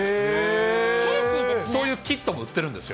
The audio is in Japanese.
そういうキットも売ってるんですよ。